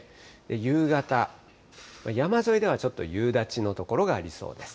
夕方、山沿いではちょっと夕立の所がありそうです。